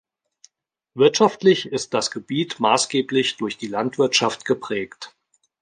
Wirtschaftlich ist das Gebiet maßgeblich durch die Landwirtschaft geprägt.